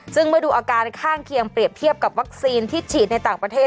ซึ่งเมื่อดูอาการข้างเคียงเปรียบเทียบกับวัคซีนที่ฉีดในต่างประเทศ